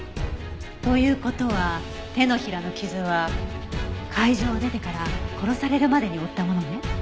という事は手のひらの傷は会場を出てから殺されるまでに負ったものね。